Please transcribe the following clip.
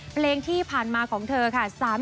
เพลงที่ผ่านมาของเธอค่ะ